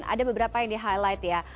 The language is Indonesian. ada beberapa yang di highlight ya